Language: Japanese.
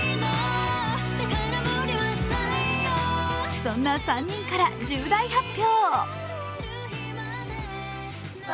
そんな３人から重大発表。